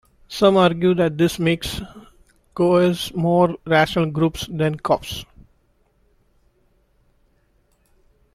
Some argue that this makes CoAs more "rational" groups than CoPs.